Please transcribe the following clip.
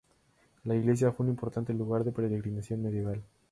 La iglesia fue un importante lugar de peregrinación medieval.